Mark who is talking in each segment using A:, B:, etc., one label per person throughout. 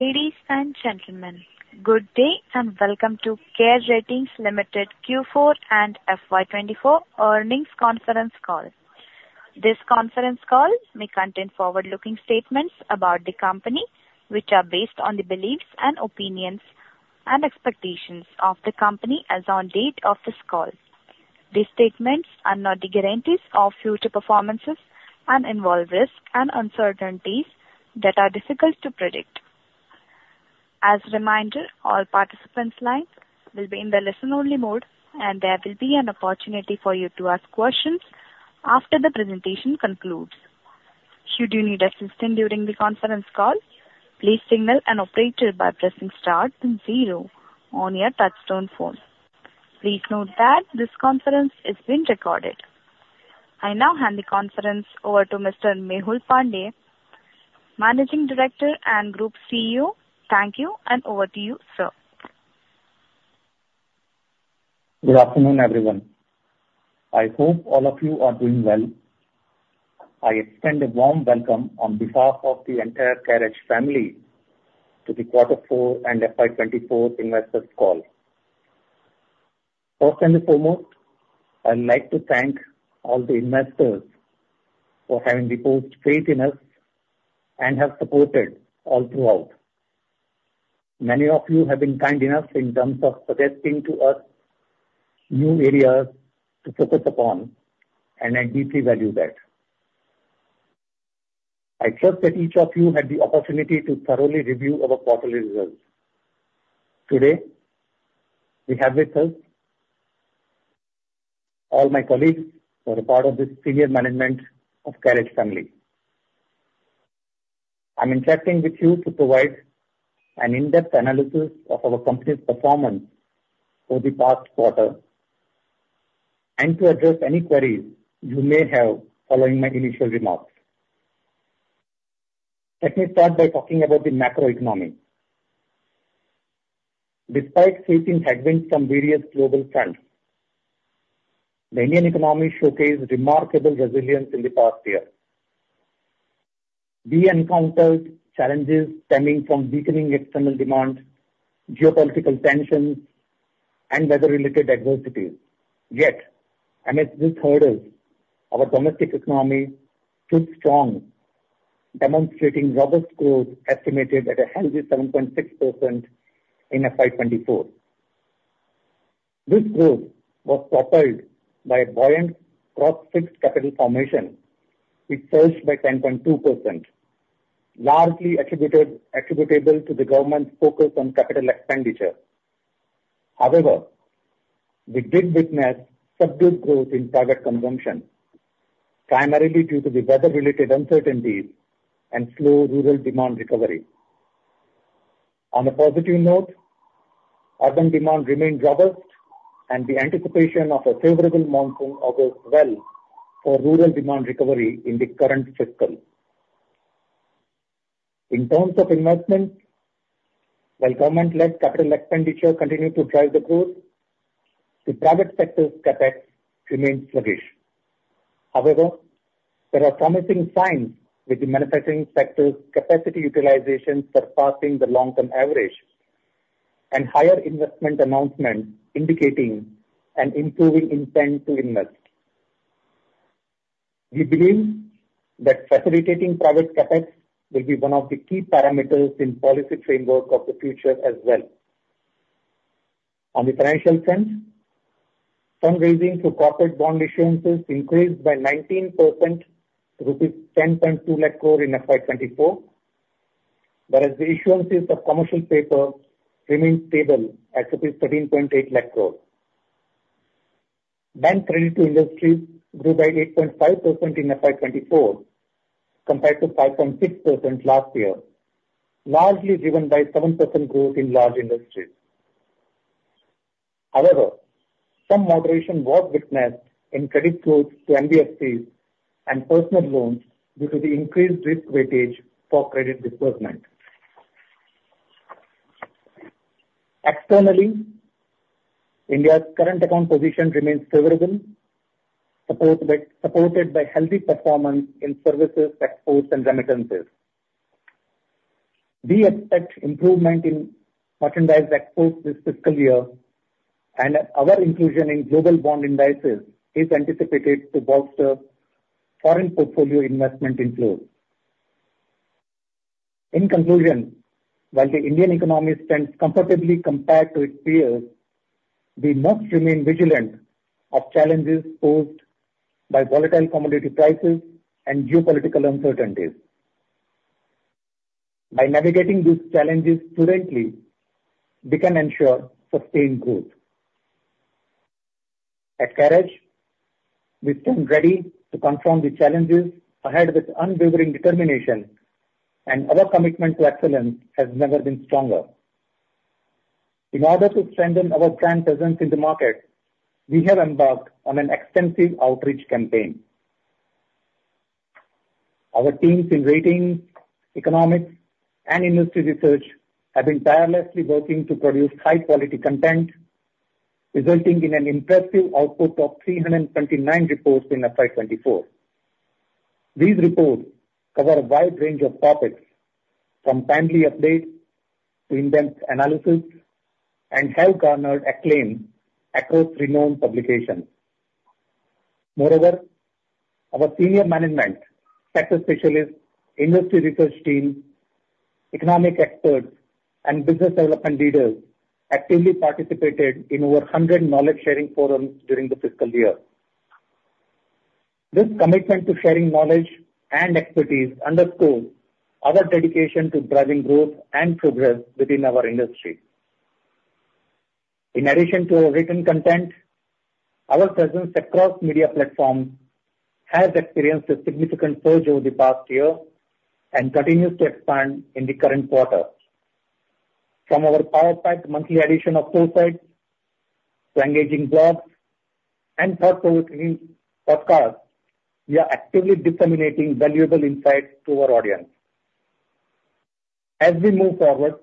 A: Ladies and gentlemen, good day and welcome to CARE Ratings Limited Q4 and FY24 earnings conference call. This conference call may contain forward-looking statements about the company, which are based on the beliefs and opinions and expectations of the company as on date of this call. These statements are not the guarantees of future performances and involve risks and uncertainties that are difficult to predict. As a reminder, all participants' lines will be in the listen-only mode, and there will be an opportunity for you to ask questions after the presentation concludes. Should you need assistance during the conference call, please signal an operator by pressing star and 0 on your touch-tone phone. Please note that this conference is being recorded. I now hand the conference over to Mr. Mehul Pandya, Managing Director and Group CEO. Thank you, and over to you, sir.
B: Good afternoon, everyone. I hope all of you are doing well. I extend a warm welcome on behalf of the entire CareEdge family to the Q4 and FY24 investors' call. First and foremost, I'd like to thank all the investors for having reposed faith in us and have supported us all throughout. Many of you have been kind enough in terms of suggesting to us new areas to focus upon, and I deeply value that. I trust that each of you had the opportunity to thoroughly review our quarterly results. Today, we have with us all my colleagues who are a part of this senior management of the CareEdge family. I'm interacting with you to provide an in-depth analysis of our company's performance for the past quarter and to address any queries you may have following my initial remarks. Let me start by talking about the macroeconomy. Despite facing headwinds from various global fronts, the Indian economy showcased remarkable resilience in the past year. We encountered challenges stemming from weakening external demand, geopolitical tensions, and weather-related adversities. Yet, amidst these hurdles, our domestic economy stood strong, demonstrating robust growth estimated at a healthy 7.6 in FY 2024. This growth was propelled by a buoyant gross fixed capital formation, which surged by 0.2%, largely attributable to the government's focus on capital expenditure. However, we did witness subdued growth in private consumption, primarily due to the weather-related uncertainties and slow rural demand recovery. On a positive note, urban demand remained robust, and the anticipation of a favorable monsoon evolved well for rural demand recovery in the current fiscal. In terms of investment, while government-led capital expenditure continued to drive the growth, the private sector's CapEx remained sluggish. However, there are promising signs with the manufacturing sector's capacity utilization surpassing the long-term average and higher investment announcements indicating an improving intent to invest. We believe that facilitating private CapEx will be one of the key parameters in the policy framework of the future as well. On the financial front, fundraising through corporate bond issuances increased by 19% from 10.2% lakh crore in FY24, whereas the issuances of commercial paper remained stable at 17.8 lakh crore. Bank credit to industries grew by 8.5% in FY24 compared to 5.6% last year, largely driven by 7% growth in large industries. However, some moderation was witnessed in credit growth to NBFCs and personal loans due to the increased risk weightage for credit disbursement. Externally, India's current account position remains favorable, supported by healthy performance in services, exports, and remittances. We expect improvement in merchandise exports this fiscal year, and our inclusion in global bond indices is anticipated to bolster foreign portfolio investment inflows. In conclusion, while the Indian economy stands comfortably compared to its peers, we must remain vigilant of challenges posed by volatile commodity prices and geopolitical uncertainties. By navigating these challenges prudently, we can ensure sustained growth. At CareEdge, we stand ready to confront the challenges ahead with unwavering determination, and our commitment to excellence has never been stronger. In order to strengthen our brand presence in the market, we have embarked on an extensive outreach campaign. Our teams in ratings, economics, and industry research have been tirelessly working to produce high-quality content, resulting in an impressive output of 329 reports in FY2024. These reports cover a wide range of topics, from timely updates to in-depth analyses, and have garnered acclaim across renowned publications. Moreover, our senior management, sector specialists, industry research teams, economic experts, and business development leaders actively participated in over 100 knowledge-sharing forums during the fiscal year. This commitment to sharing knowledge and expertise underscores our dedication to driving growth and progress within our industry. In addition to our written content, our presence across media platforms has experienced a significant surge over the past year and continues to expand in the current quarter. From our power-packed monthly edition of Foresights to engaging blogs and thought-provoking podcasts, we are actively disseminating valuable insights to our audience. As we move forward,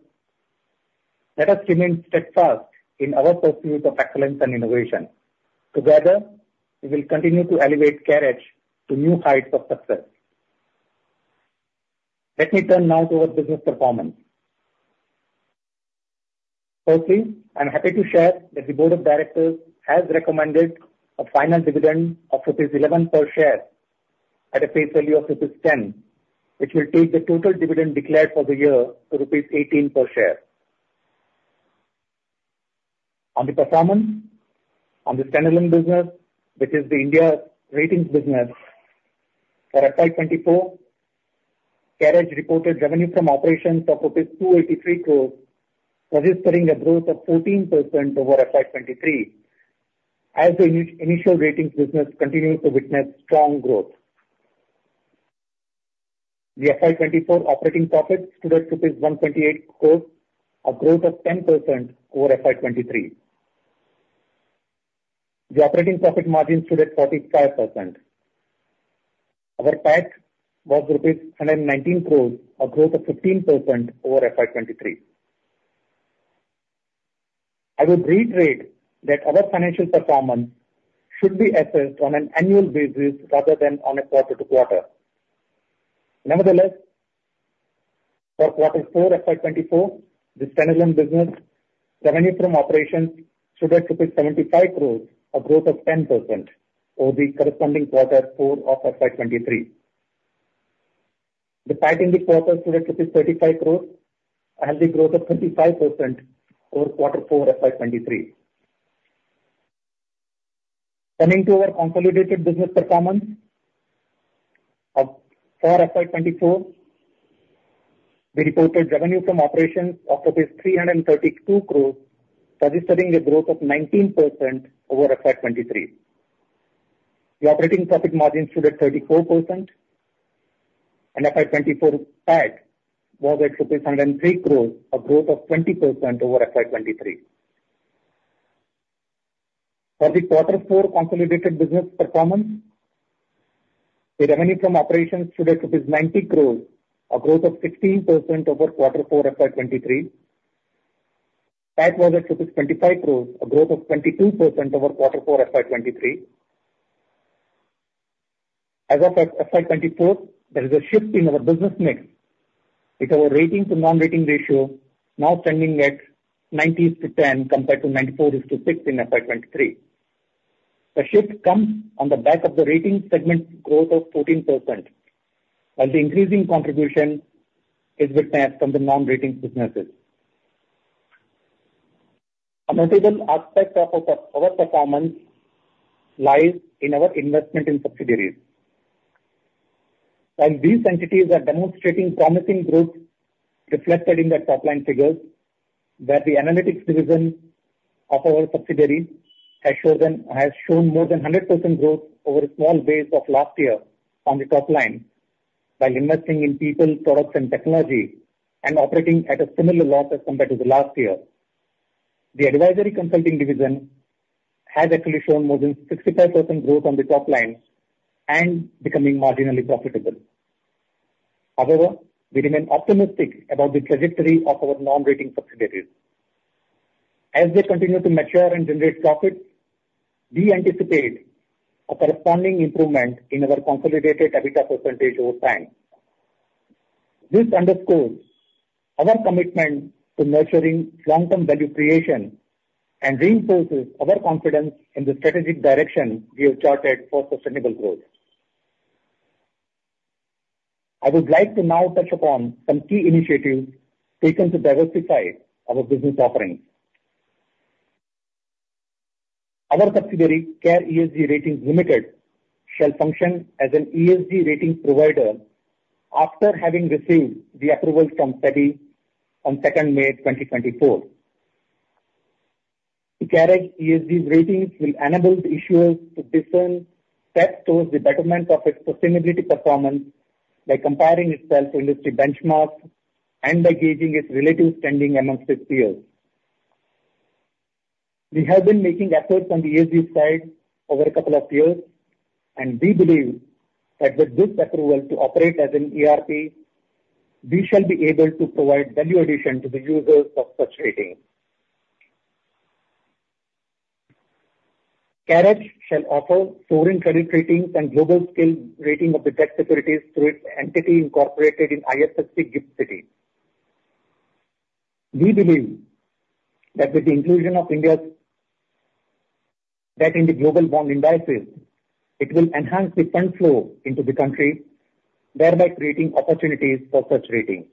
B: let us remain steadfast in our pursuit of excellence and innovation. Together, we will continue to elevate CareEdge to new heights of success. Let me turn now to our business performance. Firstly, I'm happy to share that the board of directors has recommended a final dividend of rupees 11 per share at a face value of rupees 10, which will take the total dividend declared for the year to rupees 18 per share. On the performance, on the standalone business, which is the India's ratings business, for FY24, CareEdge reported revenue from operations of INR 283 crore, registering a growth of 14% over FY23, as the initial ratings business continues to witness strong growth. The FY24 operating profits stood at INR 128 crore, a growth of 10% over FY23. The operating profit margin stood at 45%. Our PAT was rupees 119 crore, a growth of 15% over FY23. I would reiterate that our financial performance should be assessed on an annual basis rather than on a quarter-to-quarter. Nevertheless, for Q4 FY24, the standalone business revenue from operations stood at 75 crore, a growth of 10% over the corresponding Q4 of FY23. The PAT in the quarter stood at 35 crore, a healthy growth of 25% over Q4 FY23. Turning to our consolidated business performance for FY24, we reported revenue from operations of rupees 332 crore, registering a growth of 19% over FY23. The operating profit margin stood at 34%, and FY24 PAT was at INR 103 crore, a growth of 20% over FY23. For the Q4 consolidated business performance, the revenue from operations stood at 90 crore, a growth of 16% over Q4 FY23. PAT was at INR 25 crore, a growth of 22% over Q4 FY23. As of FY24, there is a shift in our business mix. It's our rating-to-non-rating ratio now standing at 90:10 compared to 94:6 in FY23. The shift comes on the back of the rating segment growth of 14%, while the increasing contribution is witnessed from the non-ratings businesses. A notable aspect of our performance lies in our investment in subsidiaries. While these entities are demonstrating promising growth reflected in their top-line figures, the analytics division of our subsidiaries has shown more than 100% growth over a small base of last year on the top line, while investing in people, products, and technology and operating at a similar loss as compared to the last year, the advisory consulting division has actually shown more than 65% growth on the top line and becoming marginally profitable. However, we remain optimistic about the trajectory of our non-rating subsidiaries. As they continue to mature and generate profits, we anticipate a corresponding improvement in our consolidated EBITDA percentage over time. This underscores our commitment to nurturing long-term value creation and reinforces our confidence in the strategic direction we have charted for sustainable growth. I would like to now touch upon some key initiatives taken to diversify our business offerings. Our subsidiary, CARE ESG Ratings Limited, shall function as an ESG rating provider after having received the approval from SEBI on 2 May 2024. The CareEdge ESG ratings will enable the issuers to discern steps towards the betterment of its sustainability performance by comparing itself to industry benchmarks and by gauging its relative standing among its peers. We have been making efforts on the ESG side over a couple of years, and we believe that with this approval to operate as an ERP, we shall be able to provide value addition to the users of such ratings. CareEdge shall offer foreign credit ratings and global scale rating of the debt securities through its entity incorporated in IFSC GIFT City. We believe that with the inclusion of India's debt in the global bond indices, it will enhance the fund flow into the country, thereby creating opportunities for such ratings.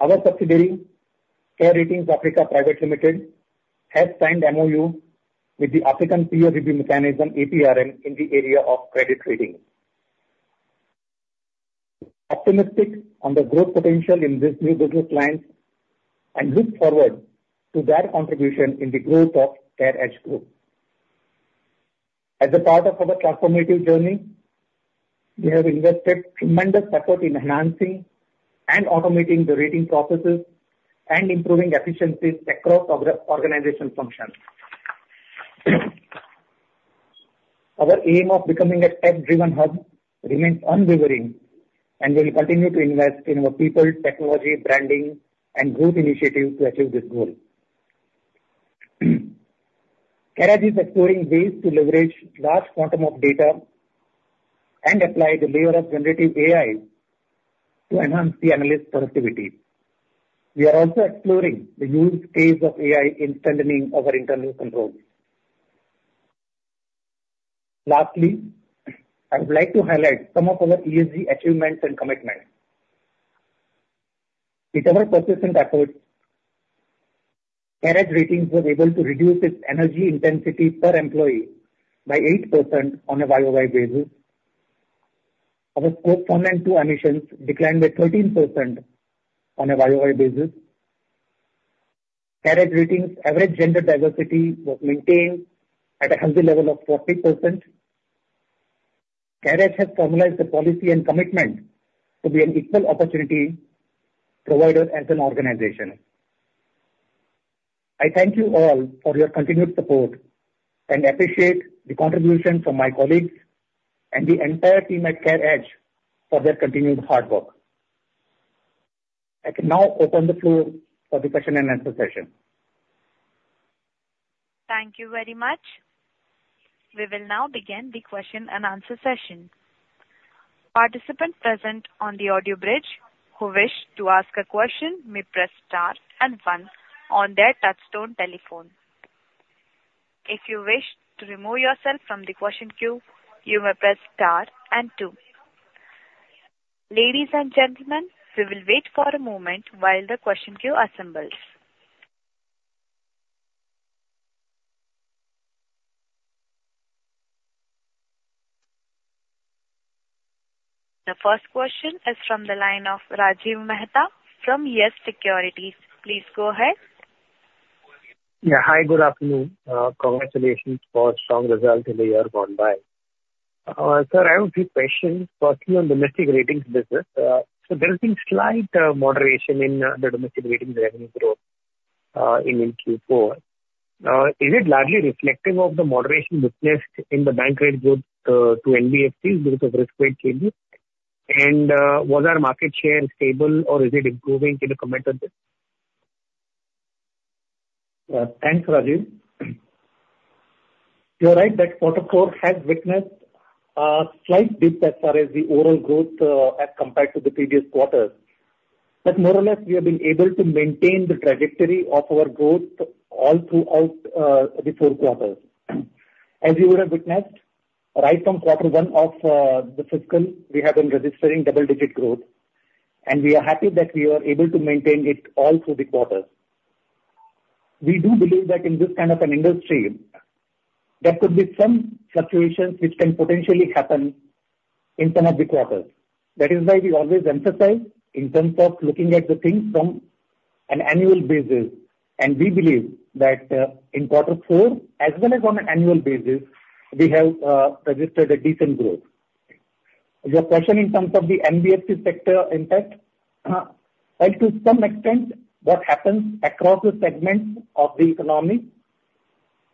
B: Our subsidiary, CARE Ratings Africa Private Limited, has signed MOU with the African Peer Review Mechanism, APRM, in the area of credit ratings. We are optimistic on the growth potential in this new business line and look forward to their contribution in the growth of CareEdge Group. As a part of our transformative journey, we have invested tremendous effort in enhancing and automating the rating processes and improving efficiencies across organization functions. Our aim of becoming a tech-driven hub remains unwavering, and we will continue to invest in our people, technology, branding, and growth initiatives to achieve this goal. CareEdge is exploring ways to leverage large quantum of data and apply the layer of generative AI to enhance the analyst productivity. We are also exploring the use case of AI in strengthening our internal controls. Lastly, I would like to highlight some of our ESG achievements and commitments. With our persistent efforts, CareEdge Ratings was able to reduce its energy intensity per employee by 8% on a year-over-year basis. Our scope 1 and 2 emissions declined by 13% on a year-over-year basis. CareEdge Ratings' average gender diversity was maintained at a healthy level of 40%. CareEdge has formalized the policy and commitment to be an equal opportunity provider as an organization. I thank you all for your continued support and appreciate the contribution from my colleagues and the entire team at CareEdge for their continued hard work. I can now open the floor for the question-and-answer session.
A: Thank you very much. We will now begin the question-and-answer session. Participants present on the audio bridge, who wish to ask a question, may press star and one on their touchtone telephone. If you wish to remove yourself from the question queue, you may press star and two. Ladies and gentlemen, we will wait for a moment while the question queue assembles. The first question is from the line of Rajiv Mehta from Yes Securities. Please go ahead.
C: Yeah. Hi. Good afternoon. Congratulations for a strong result in the year gone by. Sir, I have a few questions, firstly on domestic ratings business. So there has been slight moderation in the domestic ratings revenue growth in Q4. Is it largely reflective of the moderation witnessed in the bankrate growth to NBFCs because of risk-weight changes? And was our market share stable, or is it improving in the comment on this?
B: Thanks, Rajiv. You're right that Q4 has witnessed a slight dip as far as the overall growth as compared to the previous quarters. But more or less, we have been able to maintain the trajectory of our growth all throughout the four quarters. As you would have witnessed, right from Q1 of the fiscal, we have been registering double-digit growth, and we are happy that we were able to maintain it all through the quarters. We do believe that in this kind of an industry, there could be some fluctuations which can potentially happen in some of the quarters. That is why we always emphasize. In terms of looking at the things from an annual basis. And we believe that in Q4, as well as on an annual basis, we have registered a decent growth. Your question in terms of the NBFC sector impact, well, to some extent, what happens across the segments of the economy,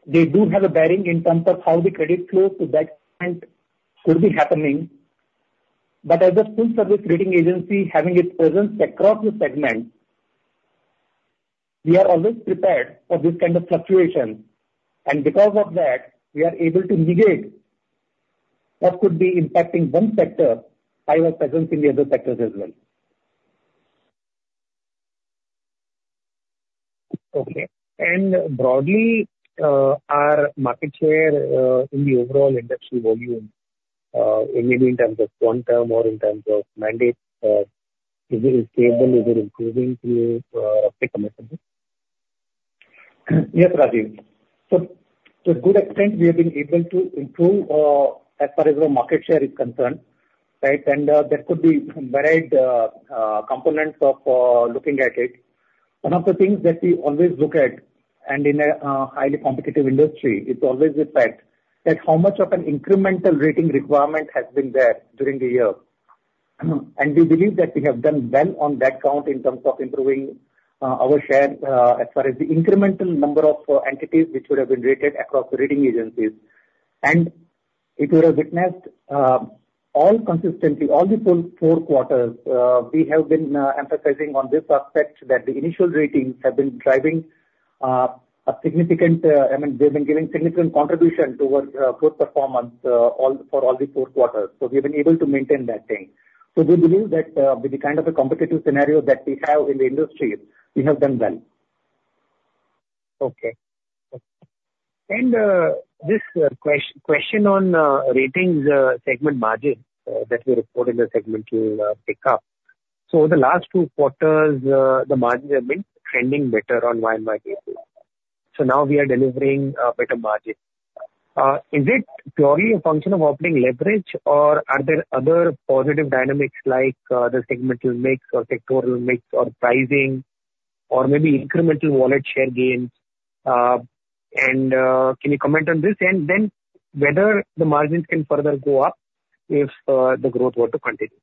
B: they do have a bearing in terms of how the credit flow to that segment could be happening. But as a full-service rating agency, having its presence across the segments, we are always prepared for this kind of fluctuation. And because of that, we are able to negate what could be impacting one sector by our presence in the other sectors as well.
C: Okay. And broadly, our market share in the overall industry volume, maybe in terms of quantum or in terms of mandate, is it stable? Is it improving? Can you say comment on this?
B: Yes, Rajiv. So to a good extent, we have been able to improve as far as our market share is concerned, right? And there could be varied components of looking at it. One of the things that we always look at, and in a highly competitive industry, it's always the fact that how much of an incremental rating requirement has been there during the year. And we believe that we have done well on that count in terms of improving our share as far as the incremental number of entities which would have been rated across the rating agencies. And if you would have witnessed, all consistently, all the four quarters, we have been emphasizing on this aspect that the initial ratings have been driving a significant—I mean, they've been giving significant contribution towards growth performance for all the four quarters. So we have been able to maintain that thing. So we believe that with the kind of a competitive scenario that we have in the industry, we have done well.
C: Okay. This question on ratings segment margin that we report in the segment will pick up. Over the last two quarters, the margins have been trending better on a year-over-year basis. Now we are delivering better margins. Is it purely a function of operating leverage, or are there other positive dynamics like the segmental mix or sectoral mix or pricing or maybe incremental wallet share gains? Can you comment on this and then whether the margins can further go up if the growth were to continue?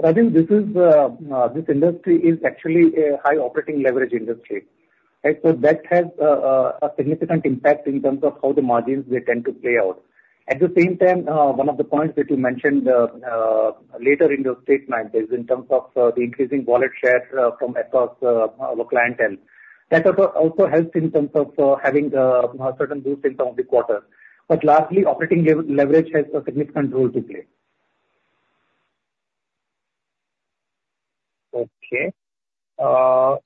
B: Rajiv, this industry is actually a high operating leverage industry, right? That has a significant impact in terms of how the margins, they tend to play out. At the same time, one of the points that you mentioned later in your statement is in terms of the increasing wallet share from across our clientele. That also helps in terms of having certain boosts in some of the quarters. Lastly, operating leverage has a significant role to play.
C: Okay.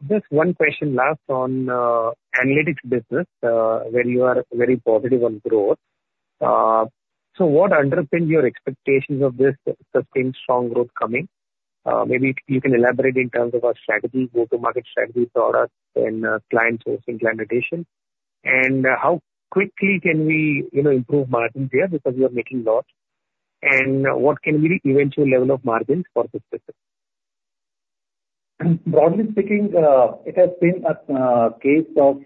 C: Just one question last on analytics business, where you are very positive on growth. So what underpins your expectations of this sustained strong growth coming? Maybe you can elaborate in terms of our strategy, go-to-market strategy, products, and client sourcing, client rotation. And how quickly can we improve margins here because we are making lots? And what can be the eventual level of margins for this business?
B: Broadly speaking, it has been a case of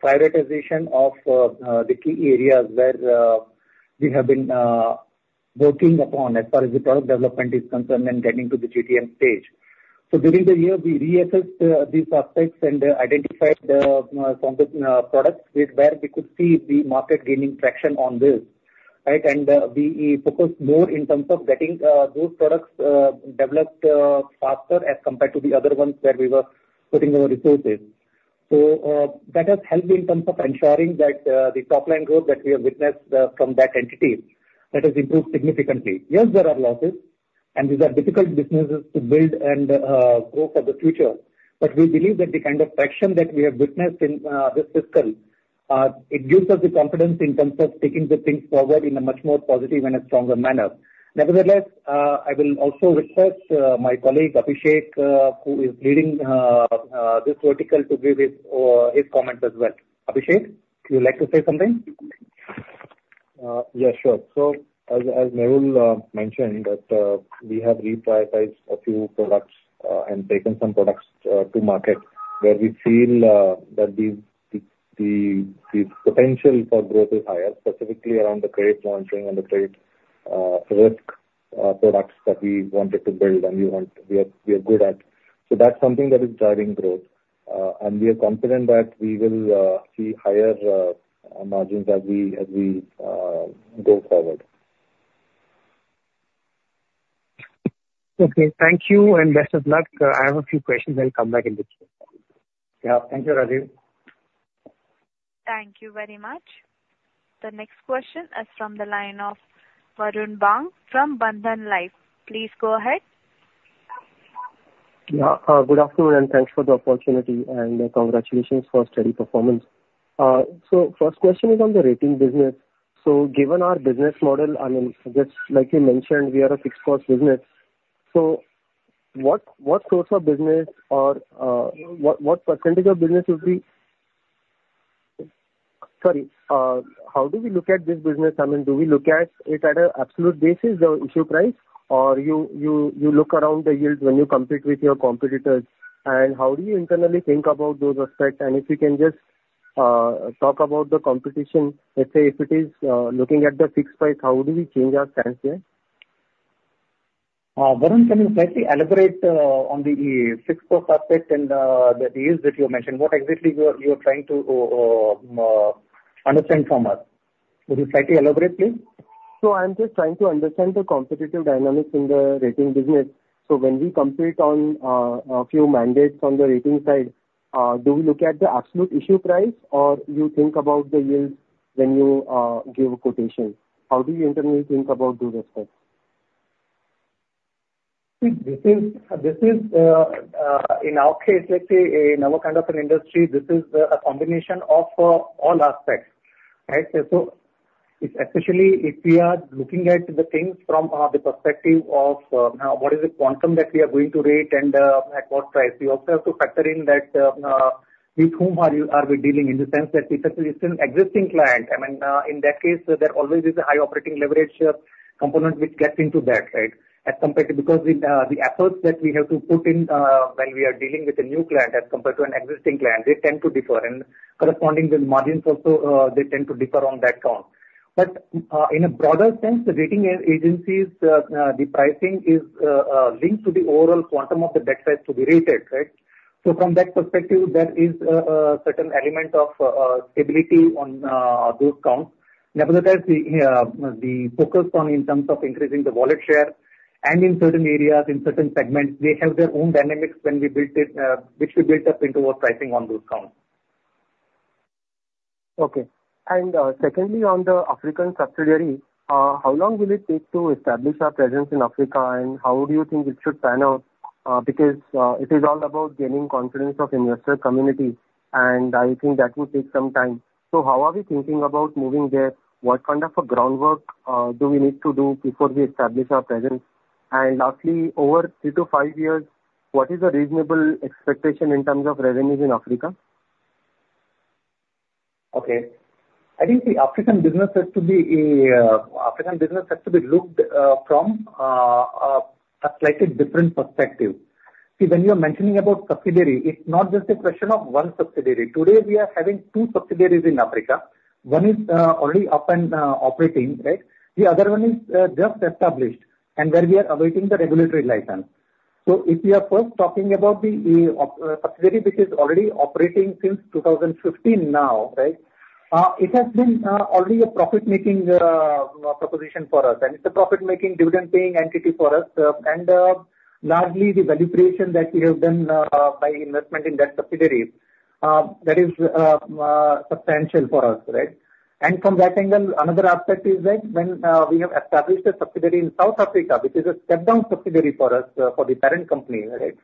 B: prioritization of the key areas where we have been working upon as far as the product development is concerned and getting to the GTM stage. So during the year, we reassessed these aspects and identified some of the products where we could see the market gaining traction on this, right? And we focused more in terms of getting those products developed faster as compared to the other ones where we were putting our resources. So that has helped in terms of ensuring that the top-line growth that we have witnessed from that entity, that has improved significantly. Yes, there are losses, and these are difficult businesses to build and grow for the future. But we believe that the kind of traction that we have witnessed in this fiscal, it gives us the confidence in terms of taking the things forward in a much more positive and a stronger manner. Nevertheless, I will also request my colleague, Abhishek, who is leading this vertical, to give his comments as well. Abhishek, you would like to say something?
D: Yes, sure. So as Mehul mentioned, we have reprioritized a few products and taken some products to market where we feel that the potential for growth is higher, specifically around the credit launching and the credit risk products that we wanted to build and we are good at. So that's something that is driving growth, and we are confident that we will see higher margins as we go forward.
B: Okay. Thank you, and best of luck. I have a few questions. I'll come back in the Q&A.
D: Yeah. Thank you, Rajiv.
E: Thank you very much. The next question is from the line of Varun Bang from Bandhan Life. Please go ahead.
F: Yeah. Good afternoon, and thanks for the opportunity, and congratulations for steady performance. So first question is on the rating business. So given our business model, I mean, just like you mentioned, we are a fixed-cost business. So what sorts of business or what percentage of business. Sorry. How do we look at this business? I mean, do we look at it at an absolute basis, the issue price, or you look around the yields when you compete with your competitors? And how do you internally think about those aspects? And if you can just talk about the competition, let's say if it is looking at the fixed price, how do we change our stance there?
B: Varun, can you slightly elaborate on the fixed-cost aspect and the yields that you mentioned? What exactly you are trying to understand from us? Could you slightly elaborate, please?
F: I'm just trying to understand the competitive dynamics in the rating business. When we compete on a few mandates on the rating side, do we look at the absolute issue price, or you think about the yields when you give a quotation? How do you internally think about those aspects?
B: See, this is in our case, let's say in our kind of an industry, this is a combination of all aspects, right? Especially if we are looking at the things from the perspective of what is the quantum that we are going to rate and at what price, we also have to factor in with whom are we dealing in the sense that if it's an existing client, I mean, in that case, there always is a high operating leverage component which gets into that, right? Because the efforts that we have to put in when we are dealing with a new client as compared to an existing client, they tend to differ. Corresponding with margins also, they tend to differ on that count. In a broader sense, the rating agencies, the pricing is linked to the overall quantum of the debt size to be rated, right? From that perspective, there is a certain element of stability on those counts. Nevertheless, the focus in terms of increasing the wallet share and in certain areas, in certain segments, they have their own dynamics which we built up into our pricing on those counts.
F: Okay. And secondly, on the African subsidiary, how long will it take to establish our presence in Africa, and how do you think it should pan out? Because it is all about gaining confidence of investor community, and I think that would take some time. So how are we thinking about moving there? What kind of groundwork do we need to do before we establish our presence? And lastly, over three to five years, what is the reasonable expectation in terms of revenues in Africa?
B: Okay. I think the African business has to be looked from a slightly different perspective. See, when you're mentioning about subsidiary, it's not just a question of one subsidiary. Today, we are having two subsidiaries in Africa. One is already up and operating, right? The other one is just established and where we are awaiting the regulatory license. So if we are first talking about the subsidiary which is already operating since 2015 now, right, it has been already a profit-making proposition for us. And it's a profit-making, dividend-paying entity for us. And largely, the value creation that we have done by investment in that subsidiary, that is substantial for us, right? And from that angle, another aspect is that when we have established a subsidiary in South Africa, which is a step-down subsidiary for us, for the parent company, right,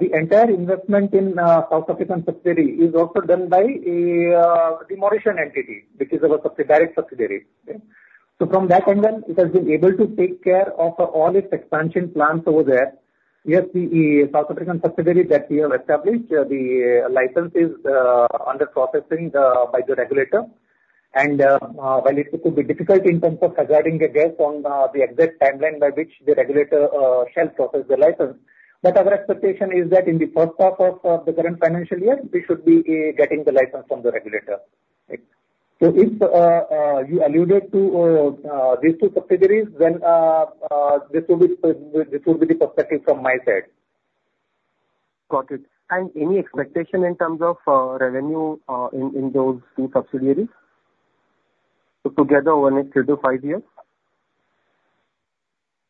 B: the entire investment in South African subsidiary is also done by a Mauritian entity which is our direct subsidiary, right? So from that angle, it has been able to take care of all its expansion plans over there. Yes, the South African subsidiary that we have established, the license is under processing by the regulator. And while it could be difficult in terms of providing an estimate on the exact timeline by which the regulator shall process the license, but our expectation is that in the first half of the current financial year, we should be getting the license from the regulator, right? So if you alluded to these two subsidiaries, then this would be the perspective from my side.
F: Got it. And any expectation in terms of revenue in those two subsidiaries together over next three to five years?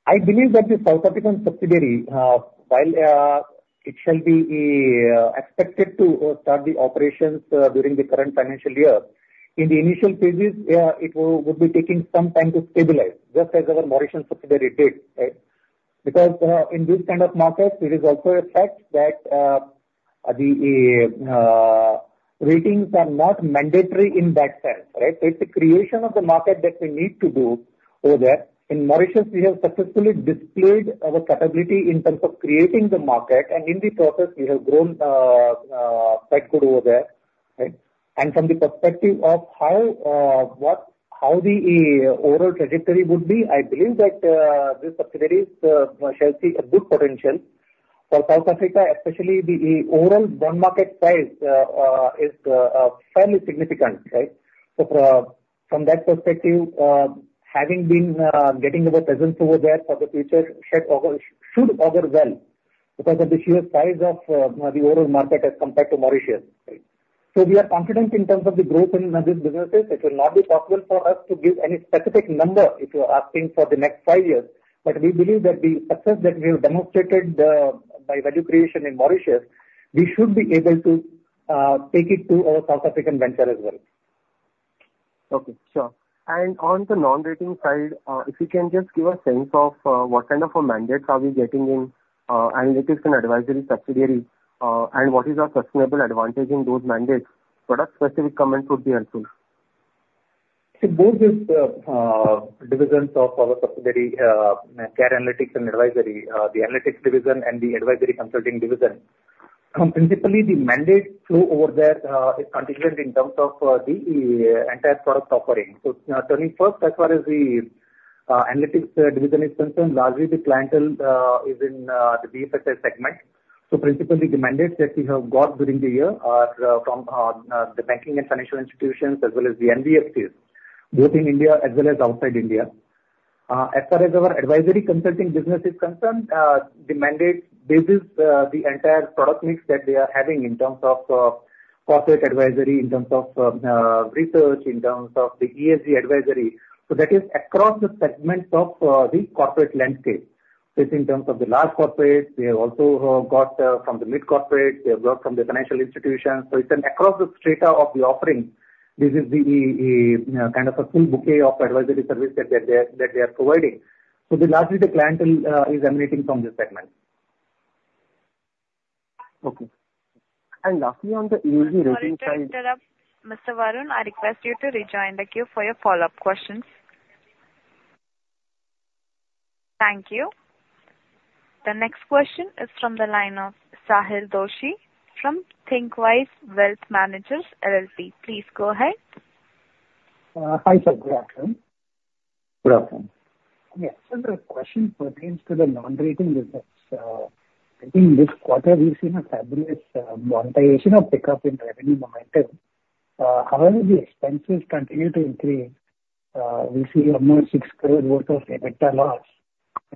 B: I believe that the South African subsidiary, while it shall be expected to start the operations during the current financial year, in the initial phases, it would be taking some time to stabilize just as our Mauritian subsidiary did, right? Because in this kind of market, it is also a fact that the ratings are not mandatory in that sense, right? So it's a creation of the market that we need to do over there. In Mauritius, we have successfully displayed our capability in terms of creating the market. And in the process, we have grown quite good over there, right? And from the perspective of how the overall trajectory would be, I believe that this subsidiary shall see a good potential for South Africa, especially the overall bond market price is fairly significant, right? So from that perspective, having been getting our presence over there for the future should augur well because of the sheer size of the overall market as compared to Mauritius, right? So we are confident in terms of the growth in these businesses. It will not be possible for us to give any specific number if you are asking for the next five years. But we believe that the success that we have demonstrated by value creation in Mauritius, we should be able to take it to our South African venture as well.
F: Okay. Sure. On the non-rating side, if you can just give a sense of what kind of mandates are we getting in analytics and advisory subsidiary, and what is our sustainable advantage in those mandates? Product-specific comments would be helpful.
B: See, both these divisions of our subsidiary, CARE Analytics and Advisory, the analytics division and the advisory consulting division, principally, the mandate flow over there is contingent in terms of the entire product offering. So turning first, as far as the analytics division is concerned, largely, the clientele is in the NBFC segment. So principally, the mandates that we have got during the year are from the banking and financial institutions as well as the NBFCs, both in India as well as outside India. As far as our advisory consulting business is concerned, the mandate bases the entire product mix that they are having in terms of corporate advisory, in terms of research, in terms of the ESG advisory. So that is across the segments of the corporate landscape. So it's in terms of the large corporates. They have also got from the mid-corporates. They have got from the financial institutions. So it's across the strata of the offering. This is the kind of a full bouquet of advisory service that they are providing. So largely, the clientele is emanating from this segment.
F: Okay. Lastly, on the ESG rating side.
E: Sorry to interrupt, Mr. Varun. I request you to rejoin the queue for your follow-up questions. Thank you. The next question is from the line of Sahil Doshi from THINQWISE Wealth Managers, LLP. Please go ahead.
G: Hi, sir. Good afternoon.
B: Good afternoon.
G: Yes. So the question pertains to the non-rating business. I think this quarter, we've seen a fabulous monetization or pickup in revenue momentum. However, the expenses continue to increase. We see almost 6 crore worth of EBITDA loss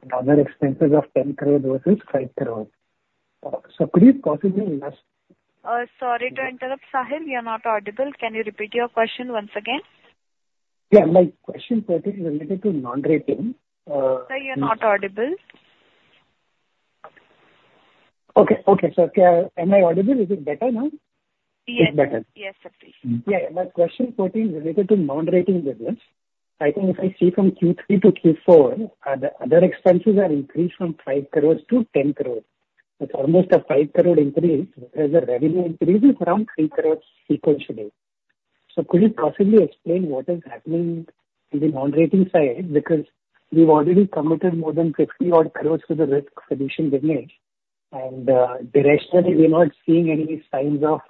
G: and other expenses of 10 crore versus 5 crore. So could you possibly just.
H: Sorry to interrupt, Sahil. You're not audible. Can you repeat your question once again?
G: Yeah. My question is related to non-rating.
E: Sorry. You're not audible.
G: Okay. Okay. So am I audible? Is it better now?
E: Yes.
G: It's better.
E: Yes, please.
G: Yeah. My question is related to non-rating business. I think if I see from Q3 to Q4, the other expenses have increased from 5 crore to 10 crore. It's almost a 5 crore increase, whereas the revenue increase is around 3 crore sequentially. So could you possibly explain what is happening in the non-rating side? Because we've already committed more than 50-odd crore to the Risk Solutions business, and directionally, we're not seeing any signs of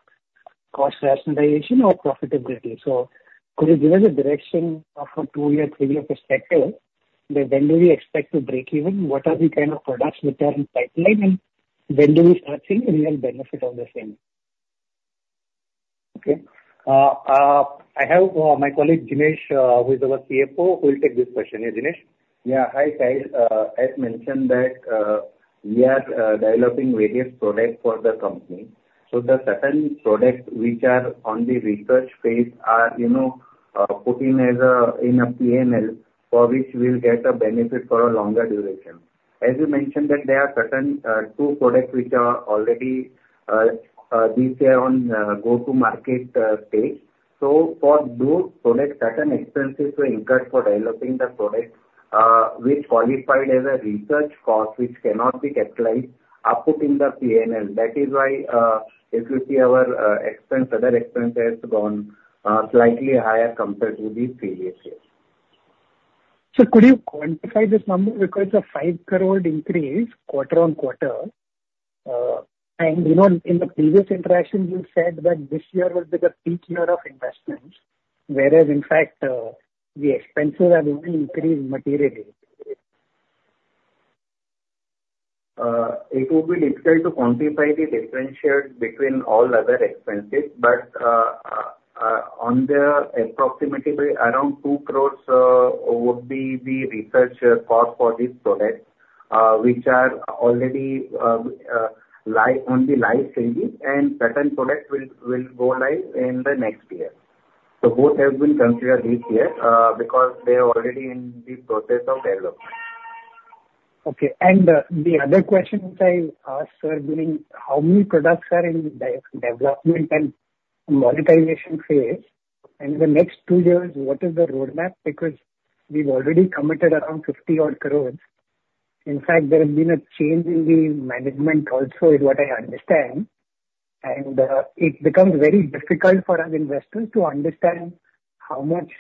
G: cost rationalization or profitability. So could you give us a direction of a two-year, three-year perspective? When do we expect to break even? What are the kind of products with that in pipeline, and when do we start seeing a real benefit of this thing?
B: Okay. I have my colleague, Jinesh, who is our CFO, who will take this question. Jinesh?
I: Yeah. Hi, Kyle. As mentioned, that we are developing various products for the company. So the certain products which are on the research phase are put in a P&L for which we'll get a benefit for a longer duration. As you mentioned, that there are certain two products which are already this year on go-to-market stage. So for those products, certain expenses were incurred for developing the product which qualified as a research cost which cannot be capitalized. I put in the P&L. That is why, if you see our other expenses have gone slightly higher compared to these previous years.
G: Sir, could you quantify this number? Because it's an 5 crore increase quarter-on-quarter. And in the previous interactions, you said that this year would be the peak year of investments, whereas, in fact, the expenses have only increased materially.
I: It would be difficult to quantify the difference between all other expenses. But on the approximately around 2 crore would be the research cost for these products which are already on the live stages, and certain products will go live in the next year. So both have been considered this year because they are already in the process of development.
G: Okay. And the other question which I asked, sir, being how many products are in development and monetization phase? And in the next two years, what is the roadmap? Because we've already committed around 50-odd crore. In fact, there has been a change in the management also, is what I understand. And it becomes very difficult for us investors to understand how much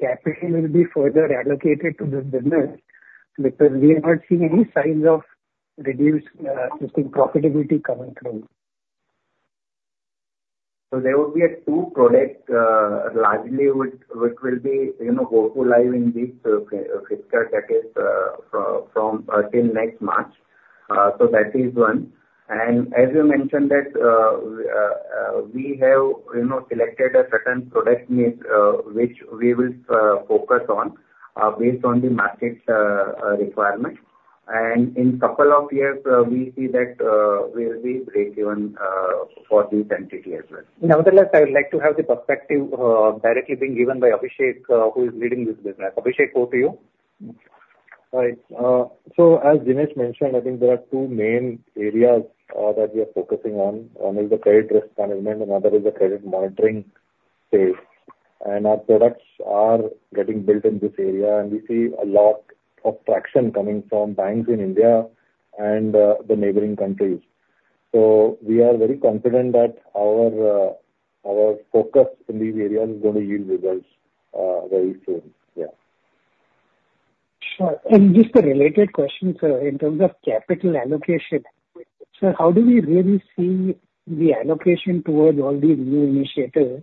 G: capital will be further allocated to this business because we are not seeing any signs of reduced existing profitability coming through.
I: There will be two products largely which will go live in this quarter, that is, till next March. That is one. As you mentioned, we have selected a certain product which we will focus on based on the market requirement. In a couple of years, we see that we'll break even for this entity as well. Nevertheless, I would like to have the perspective directly being given by Abhishek, who is leading this business. Abhishek, go to you.
D: All right. So as Jinesh mentioned, I think there are two main areas that we are focusing on. One is the credit risk management, and the other is the credit monitoring phase. And our products are getting built in this area. And we see a lot of traction coming from banks in India and the neighboring countries. So we are very confident that our focus in these areas is going to yield results very soon. Yeah.
G: Sure. And just a related question, sir, in terms of capital allocation, sir, how do we really see the allocation towards all these new initiatives?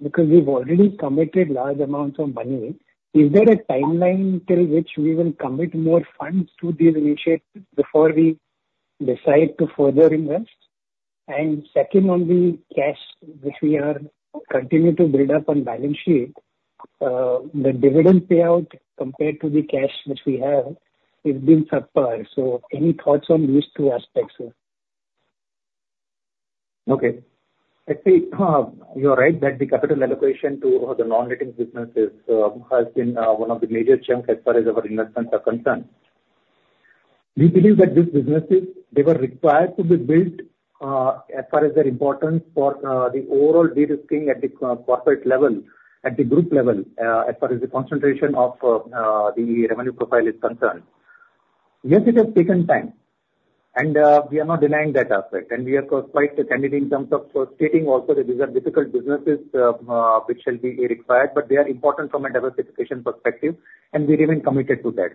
G: Because we've already committed large amounts of money. Is there a timeline till which we will commit more funds to these initiatives before we decide to further invest? And second, on the cash which we are continuing to build up on balance sheet, the dividend payout compared to the cash which we have has been subpar. So any thoughts on these two aspects, sir?
B: Okay. Actually, you're right that the capital allocation to the non-rating businesses has been one of the major chunks as far as our investments are concerned. We believe that these businesses, they were required to be built as far as their importance for the overall de-risking at the corporate level, at the group level, as far as the concentration of the revenue profile is concerned. Yes, it has taken time. We are not denying that aspect. We are quite candid in terms of stating also that these are difficult businesses which shall be required, but they are important from a diversification perspective. We remain committed to that.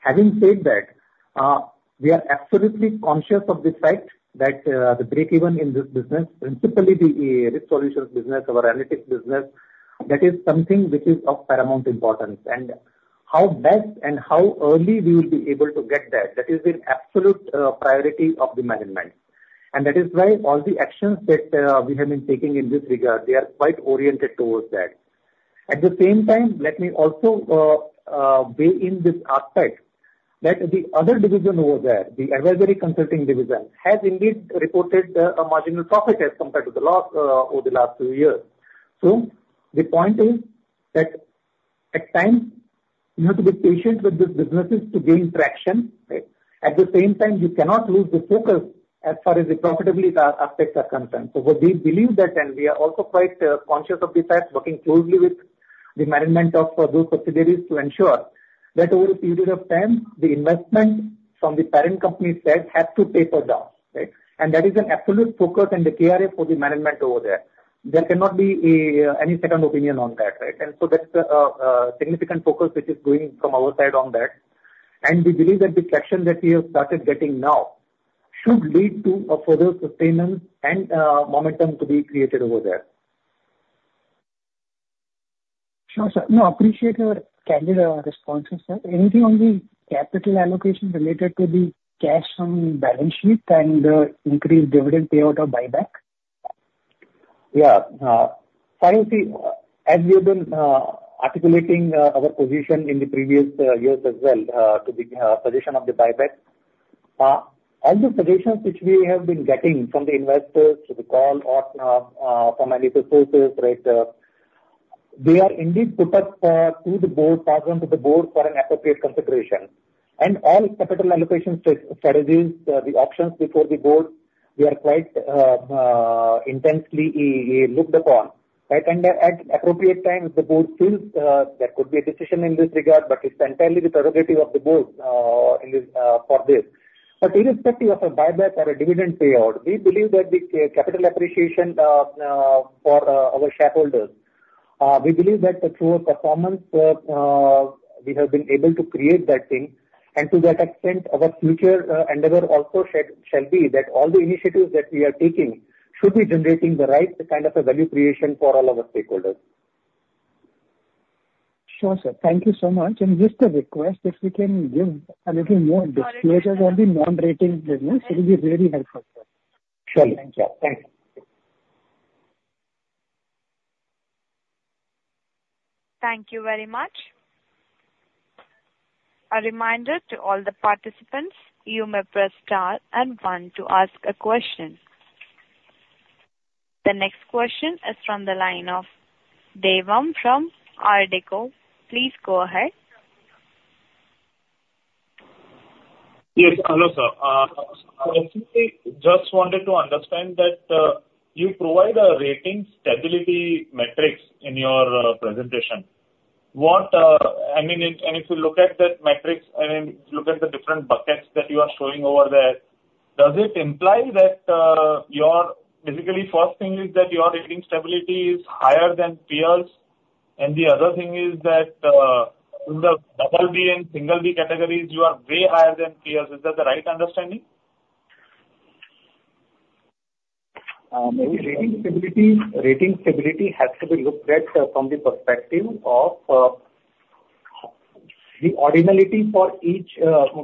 B: Having said that, we are absolutely conscious of the fact that the break even in this business, principally, Risk Solutions business, our analytics business, that is something which is of paramount importance. How best and how early we will be able to get that, that is an absolute priority of the management. That is why all the actions that we have been taking in this regard, they are quite oriented towards that. At the same time, let me also weigh in this aspect that the other division over there, the advisory consulting division, has indeed reported a marginal profit as compared to the loss over the last few years. The point is that at times, you have to be patient with these businesses to gain traction, right? At the same time, you cannot lose the focus as far as the profitability aspects are concerned. So we believe that, and we are also quite conscious of the fact, working closely with the management of those subsidiaries to ensure that over a period of time, the investment from the parent company side has to taper down, right? And that is an absolute focus in the KRA for the management over there. There cannot be any second opinion on that, right? And so that's a significant focus which is going from our side on that. And we believe that the traction that we have started getting now should lead to further sustenance and momentum to be created over there.
G: Sure, sir. No, appreciate your candid responses, sir. Anything on the capital allocation related to the cash from balance sheet and the increased dividend payout or buyback?
B: Yeah. Sahil, see, as we have been articulating our position in the previous years as well to the suggestion of the buyback, all the suggestions which we have been getting from the investors to the call or from analytical sources, right, they are indeed put up to the board, passed on to the board for an appropriate consideration. And all capital allocation strategies, the options before the board, we are quite intensely looked upon, right? And at appropriate times, the board feels there could be a decision in this regard, but it's entirely the prerogative of the board for this. But irrespective of a buyback or a dividend payout, we believe that the capital appreciation for our shareholders, we believe that through our performance, we have been able to create that thing. To that extent, our future endeavor also shall be that all the initiatives that we are taking should be generating the right kind of value creation for all our stakeholders.
G: Sure, sir. Thank you so much. And just a request, if we can give a little more disclosures on the non-rating business, it will be really helpful, sir.
B: Surely. Thank you.
G: Thanks.
E: Thank you very much. A reminder to all the participants, you may press star and one to ask a question. The next question is from the line of Devam from Ardeko. Please go ahead.
J: Yes. Hello, sir. I simply just wanted to understand that you provide a rating stability metrics in your presentation. I mean, and if you look at that metrics, I mean, if you look at the different buckets that you are showing over there, does it imply that you're basically, first thing is that your rating stability is higher than peers? And the other thing is that in the double B and single B categories, you are way higher than peers. Is that the right understanding?
B: Maybe rating stability has to be looked at from the perspective of the ordinality for each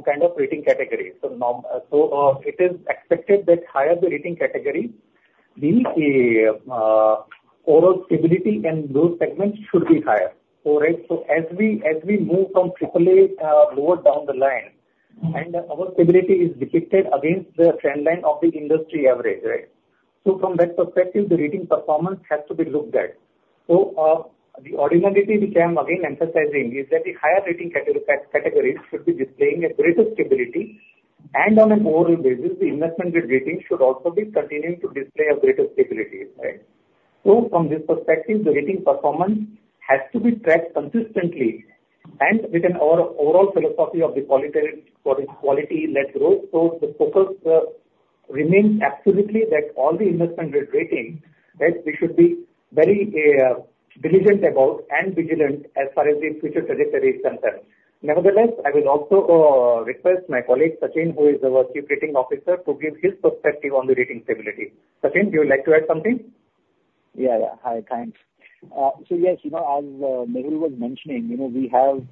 B: kind of rating category. So it is expected that higher the rating category, the overall stability in those segments should be higher, all right? So as we move from AAA lower down the line, and our stability is depicted against the trendline of the industry average, right? So from that perspective, the rating performance has to be looked at. So the ordinality which I am again emphasizing is that the higher rating categories should be displaying a greater stability. And on an overall basis, the investment grade rating should also be continuing to display a greater stability, right? So from this perspective, the rating performance has to be tracked consistently. With an overall philosophy of the quality-led growth, so the focus remains absolutely that all the investment grade rating, right, we should be very diligent about and vigilant as far as the future trajectory is concerned. Nevertheless, I will also request my colleague, Sachin, who is our Chief Rating Officer, to give his perspective on the rating stability. Sachin, do you like to add something?
K: Yeah, yeah. Hi, thanks. So yes, as Mehul was mentioning, we have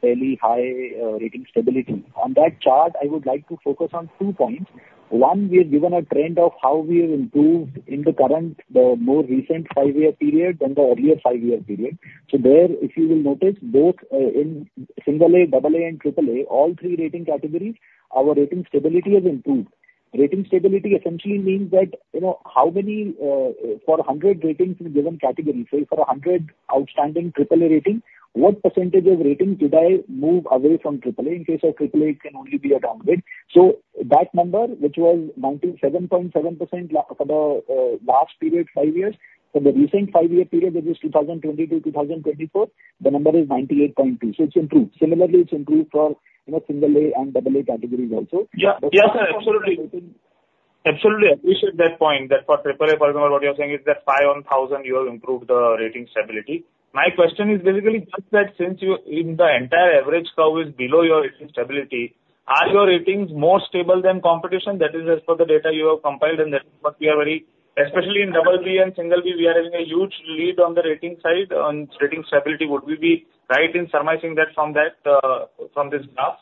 K: fairly high rating stability. On that chart, I would like to focus on two points. One, we have given a trend of how we have improved in the current, the more recent five-year period than the earlier five-year period. So there, if you will notice, both in A, AA, and AAA, all three rating categories, our rating stability has improved. Rating stability essentially means that how many for 100 ratings in a given category, say for 100 outstanding AAA rating, what percentage of rating could I move away from AAA in case of AAA can only be a downgrade? So that number, which was 97.7% for the last period, five years, for the recent five-year period, that is 2022-2024, the number is 98.2%. So it's improved. Similarly, it's improved for single A and AA categories also.
J: Yeah, yeah, sir. Absolutely. Absolutely appreciate that point that for AAA, for example, what you're saying is that 5 on 1,000, you have improved the rating stability. My question is basically just that since in the entire average curve is below your rating stability, are your ratings more stable than competition? That is as per the data you have compiled, and that is what we are very especially in double B and single B, we are having a huge lead on the rating side. On rating stability, would we be right in summarizing that from this graph?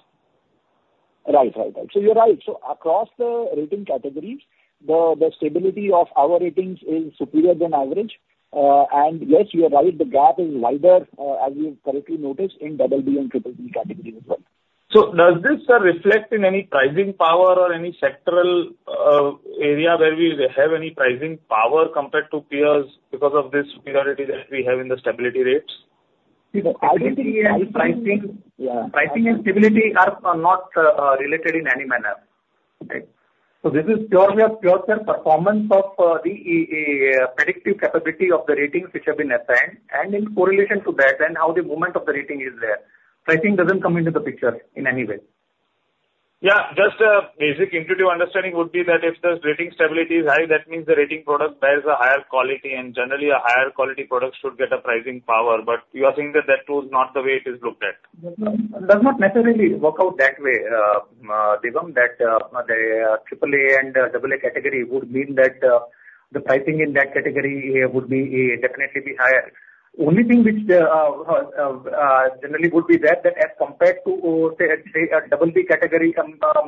K: Right, right, right. So you're right. So across the rating categories, the stability of our ratings is superior than average. And yes, you're right. The gap is wider, as you've correctly noticed, in double B and BB categories as well.
J: Does this, sir, reflect in any pricing power or any sectoral area where we have any pricing power compared to peers because of this superiority that we have in the stability rates?
B: I don't think pricing and stability are not related in any manner, right? This is pure performance of the predictive capability of the ratings which have been assigned. In correlation to that and how the movement of the rating is there, pricing doesn't come into the picture in any way.
J: Yeah. Just a basic intuitive understanding would be that if the rating stability is high, that means the rating product bears a higher quality. And generally, a higher quality product should get a pricing power. But you are saying that that tool is not the way it is looked at.
B: Does not necessarily work out that way, Devam, that the AAA and AA category would mean that the pricing in that category would definitely be higher. Only thing which generally would be that as compared to, say, a double B category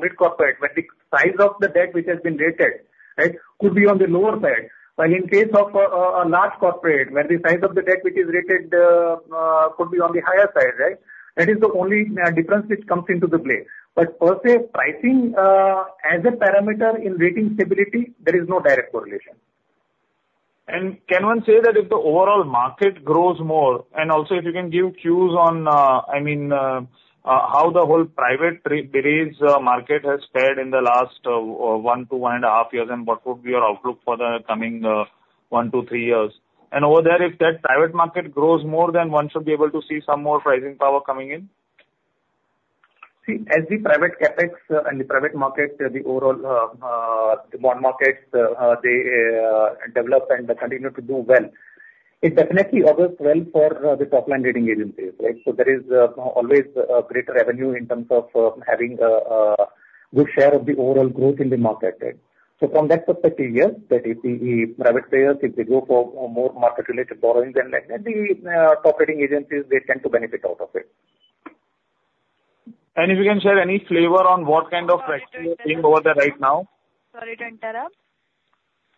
B: mid-corporate, where the size of the debt which has been rated, right, could be on the lower side. While in case of a large corporate, where the size of the debt which is rated could be on the higher side, right, that is the only difference which comes into the play. But per se, pricing as a parameter in rating stability, there is no direct correlation.
J: Can one say that if the overall market grows more and also if you can give cues on, I mean, how the whole private-based market has fared in the last one, two, and a half years, and what would be your outlook for the coming one, two, three years? Over there, if that private market grows more than, one should be able to see some more pricing power coming in?
B: See, as the private CapEx and the private market, the overall bond markets, they develop and continue to do well, it definitely spells well for the top-line rating agencies, right? So there is always greater revenue in terms of having a good share of the overall growth in the market, right? So from that perspective, yes, that if the private players, if they go for more market-related borrowings and like that, the top-rating agencies, they tend to benefit out of it.
J: If you can share any flavor on what kind of pricing you're seeing over there right now?
E: Sorry to interrupt.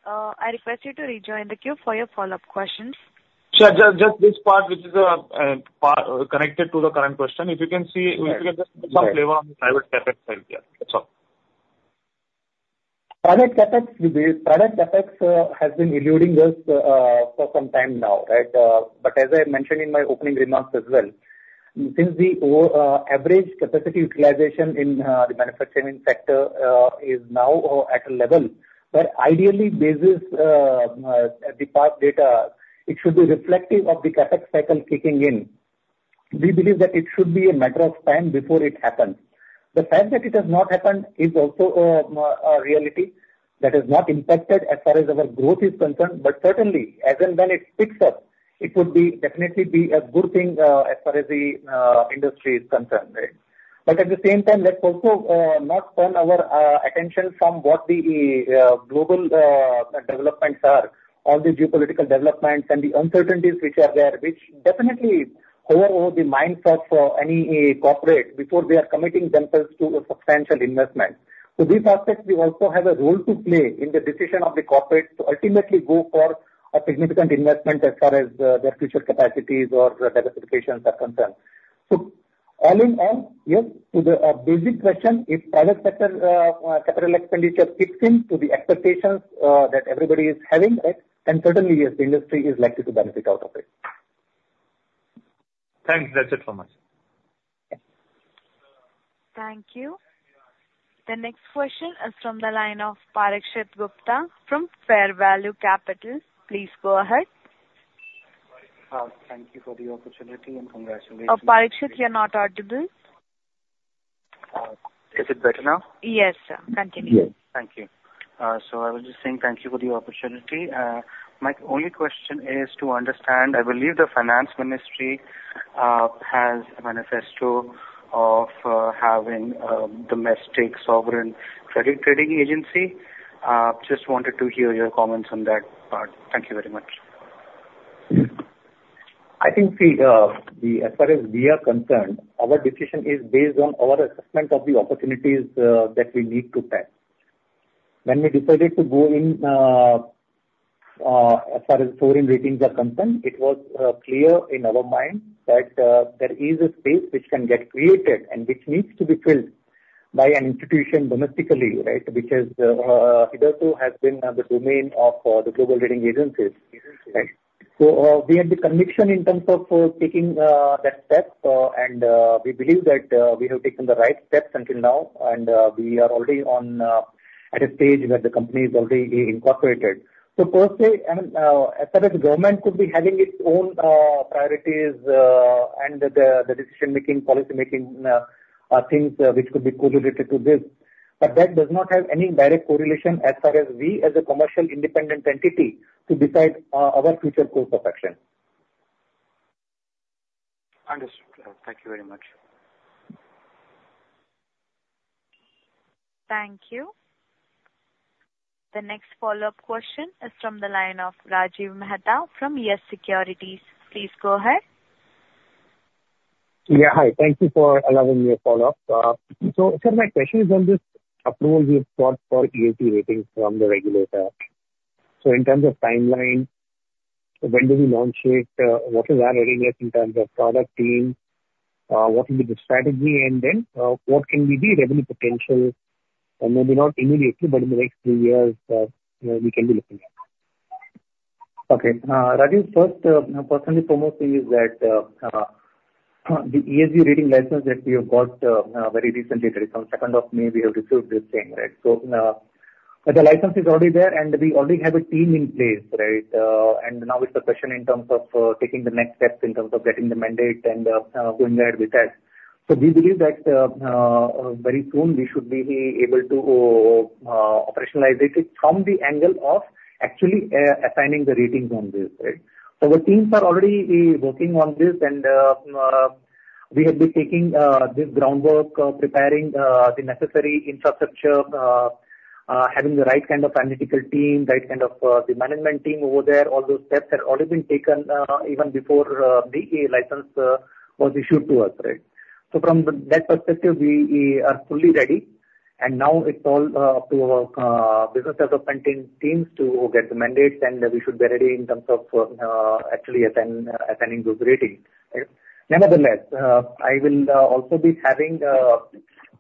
E: I request you to rejoin the queue for your follow-up questions.
J: Sure. Just this part which is connected to the current question. If you can see, if you can just give some flavor on the private CapEx side, yeah? That's all.
B: Private CapEx has been eluding us for some time now, right? But as I mentioned in my opening remarks as well, since the average capacity utilization in the manufacturing sector is now at a level where ideally, basis RBI data, it should be reflective of the CapEx cycle kicking in. We believe that it should be a matter of time before it happens. The fact that it has not happened is also a reality that has not impacted as far as our growth is concerned. But certainly, as and when it picks up, it would definitely be a good thing as far as the industry is concerned, right? But at the same time, let's also not turn our attention from what the global developments are, all the geopolitical developments and the uncertainties which are there, which definitely hover over the minds of any corporate before they are committing themselves to substantial investments. So these aspects, we also have a role to play in the decision of the corporate to ultimately go for a significant investment as far as their future capacities or diversifications are concerned. So all in all, yes, to the basic question, if private sector capital expenditure kicks in to the expectations that everybody is having, right, then certainly, yes, the industry is likely to benefit out of it.
L: Thanks. That's it for me.
E: Thank you. The next question is from the line of Parikshit Gupta from Fair Value Capital. Please go ahead.
M: Thank you for the opportunity and congratulations.
E: Oh, Parikshit, you're not audible.
M: Is it better now?
E: Yes, sir. Continue.
M: Yes. Thank you. So I was just saying thank you for the opportunity. My only question is to understand, I believe the Finance Ministry has a manifesto of having the domestic sovereign credit rating agency. Just wanted to hear your comments on that part. Thank you very much.
B: I think as far as we are concerned, our decision is based on our assessment of the opportunities that we need to tap. When we decided to go in as far as foreign ratings are concerned, it was clear in our mind that there is a space which can get created and which needs to be filled by an institution domestically, right, which has been the domain of the global rating agencies, right? So we had the conviction in terms of taking that step. We are already at a stage where the company is already incorporated. So per se, I mean, as far as government could be having its own priorities and the decision-making, policy-making things which could be correlated to this, but that does not have any direct correlation as far as we as a commercial independent entity to decide our future course of action.
M: Understood. Thank you very much.
E: Thank you. The next follow-up question is from the line of Rajiv Mehta from Yes Securities. Please go ahead.
C: Yeah. Hi. Thank you for allowing me a follow-up. So sir, my question is on this approval we've got for ESG ratings from the regulator. So in terms of timeline, when do we launch it? What is our readiness in terms of product team? What will be the strategy? And then what can we be revenue potential? And maybe not immediately, but in the next three years, we can be looking at.
B: Okay. Rajiv, first, personally promoting is that the ESG rating license that we have got very recently, that is from 2 May, we have received this thing, right? So the license is already there, and we already have a team in place, right? And now it's a question in terms of taking the next steps in terms of getting the mandate and going ahead with that. So we believe that very soon, we should be able to operationalize it from the angle of actually assigning the ratings on this, right? So the teams are already working on this. And we have been taking this groundwork, preparing the necessary infrastructure, having the right kind of analytical team, right kind of the management team over there. All those steps have already been taken even before the license was issued to us, right? So from that perspective, we are fully ready. And now it's all up to our business development teams to get the mandates. And we should be ready in terms of actually assigning those ratings, right? Nevertheless, I will also be having